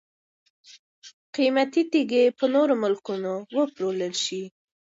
قیمتي تیږي په نورو ملکونو وپلورل شي.